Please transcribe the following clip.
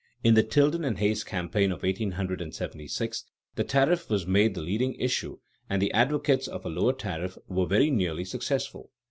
In the Tilden and Hayes campaign of 1876 the tariff was made the leading issue and the advocates of a lower tariff were very nearly successful.